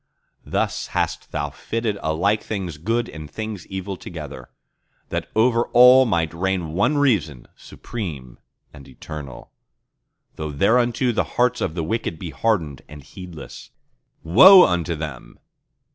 Thus hast Thou fitted alike things good and things evil together, That over all might reign one Reason, supreme and eternal; Though thereunto the hearts of the wicked be hardened and heedless— Woe unto them!